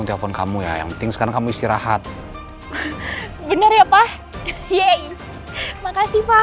di telepon kamu ya yang tinggi sekarang istirahat bener ya pak ye makasih pak